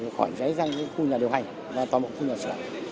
khỏi cháy sang khu nhà điều hành và toàn bộ khu nhà sửa